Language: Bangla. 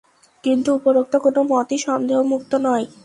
কিন্তু উপরোক্ত কোন মতই সন্দেহমুক্ত নয়।